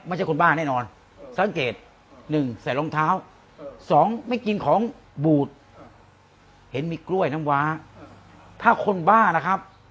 ไม่ใช่คนบ้าแน่นอนสังเกต๑ใส่รองเท้า